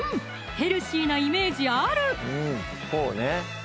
ヘルシーなイメージある！